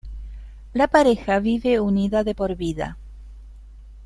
La pareja vive unida de por vida.